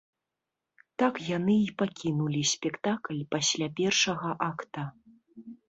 Так яны і пакінулі спектакль пасля першага акта.